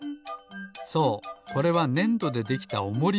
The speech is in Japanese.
そうこれはねんどでできたおもりなんです。